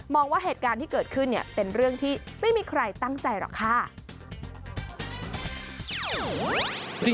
ว่าเหตุการณ์ที่เกิดขึ้นเนี่ยเป็นเรื่องที่ไม่มีใครตั้งใจหรอกค่ะ